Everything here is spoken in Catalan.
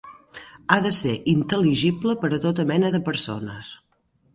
Ha de ser intel·ligible per a tota mena de persones.